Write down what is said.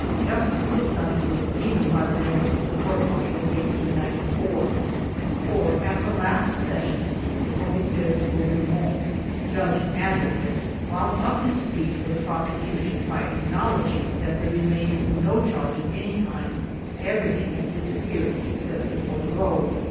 Justice was done to it even by the mem bers of the Court Martial of 1894; for at the last session the Commissaire du Gouvernement (Judge Advocate) wound up his speech for the prosecu tion by acknowledging that there remained no charge of any kind, everything had disappeared, except the bordereau.